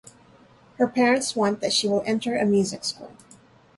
Her parents want that she will enter a music school.